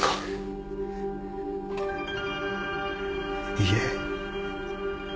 いいえ。